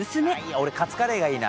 俺カツカレーがいいな。